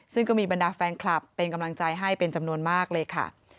ซึ่งก็มีบรรดาแฟนคลับเป็นกำลังใจให้เป็นจำนวนมากเลยค่ะ